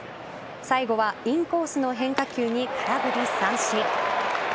最後はインコースの変化球に空振り三振。